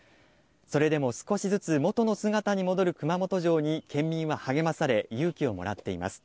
それでも少しずつ元の姿に戻る熊本城に県民は励まされ、勇気をもらっています。